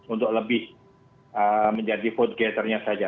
untuk lebih menjadi vote getternya saja